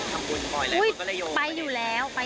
เห็นว่ารูานซ์ศิริไปอยู่แล้วปกติ